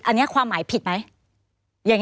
อันนี้ความหมายผิดไหม